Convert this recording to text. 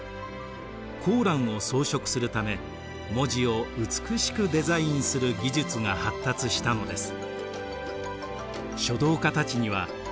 コーランを装飾するため文字を美しくデザインする技術が発達したのです。